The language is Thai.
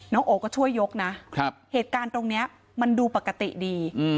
โอก็ช่วยยกนะเหตุการณ์ตรงนี้มันดูปกติดี